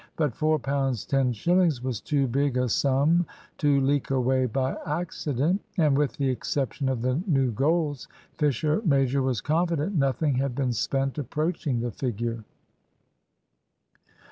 But £4 10 shillings was too big a sum to leak away by accident; and, with the exception of the new goals, Fisher major was confident nothing had been spent approaching the figure.